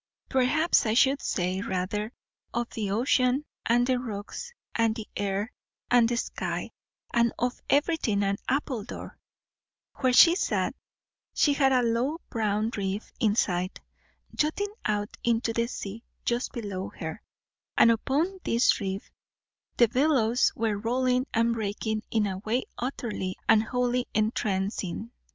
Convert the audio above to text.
Perhaps I should say rather, of the ocean and the rocks and the air and the sky, and of everything at Appledore, Where she sat, she had a low brown reef in sight, jutting out into the sea just below her; and upon this reef the billows were rolling and breaking in a way utterly and wholly entrancing.